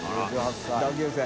同級生。